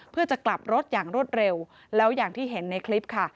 เพื่อจะกลับรถอย่างรวดเร็วแล้วอย่างที่เห็นในคลิปค่ะ